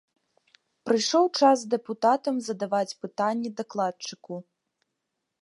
Прыйшоў час дэпутатам задаваць пытанні дакладчыку.